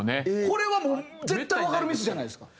これはもう絶対わかるミスじゃないですか。